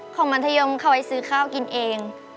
มัธยมเขาไว้ซื้อข้าวกินเอง